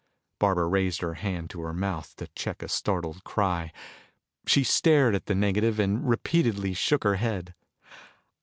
Barbara raised her hand to her mouth to check a startled cry. She stared at the negative and repeatedly shook her head.